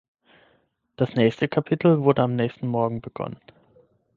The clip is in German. Das nächste Kapitel wurde am nächsten Morgen begonnen.